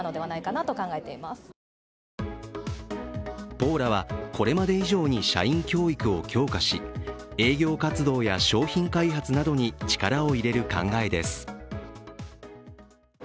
ポーラはこれまで以上に社員教育を強化し営業活動や商品開発などに力を入れる考えです。